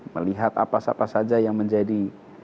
melihat apa saja apa saja yang menjadi